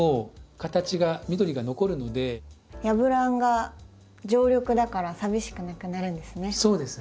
ヤブランが常緑だから寂しくなくなるんですね。